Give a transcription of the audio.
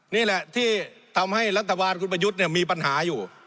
นี่แหละที่ทำให้รัฐบาลคุณประยุทธ์มีปัญหาอยู่